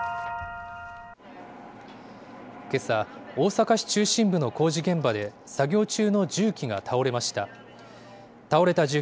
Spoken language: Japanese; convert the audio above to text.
けさ、大阪市中心部の工事現場で、作業中の重機が倒れました。